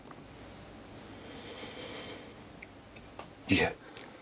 いえ。